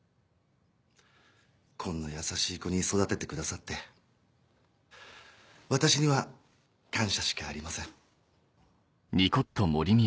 こんな優しい子に育ててくださって私には感謝しかありません。